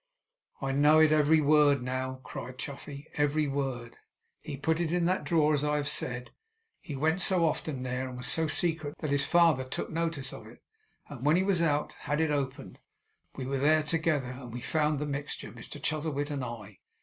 'I know it every word now!' cried Chuffey. 'Every word! He put it in that drawer, as I have said. He went so often there, and was so secret, that his father took notice of it; and when he was out, had it opened. We were there together, and we found the mixture Mr Chuzzlewit and I.